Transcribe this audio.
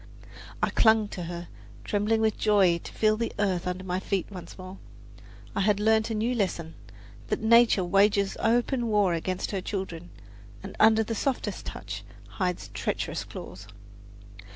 I clung to her, trembling with joy to feel the earth under my feet once more. I had learned a new lesson that nature "wages open war against her children, and under softest touch hides treacherous claws."